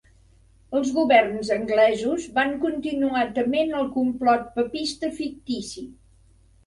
Els governs anglesos van continuar tement el complot papista fictici.